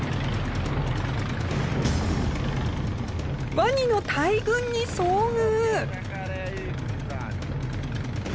ワニの大群に遭遇！